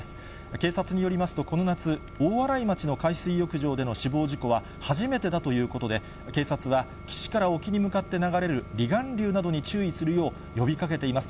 警察によりますと、この夏、大洗町の海水浴場での死亡事故は初めてだということで、警察は岸から沖に向かって流れる離岸流などに注意するよう呼びかけています。